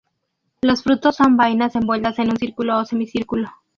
Los frutos son vainas envueltas en un círculo o semicírculo.